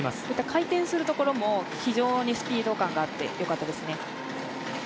回転するところも非常にスピード感があってよかったですね。